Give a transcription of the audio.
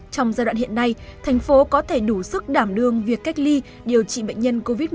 trong giai đoạn hiện nay thành phố có thể đủ sức đảm đương việc cách ly điều trị bệnh nhân covid một mươi chín